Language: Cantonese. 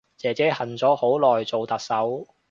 姐姐恨咗好耐做特首